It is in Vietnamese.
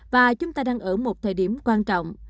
và chúng ta đang ở một thời điểm quan trọng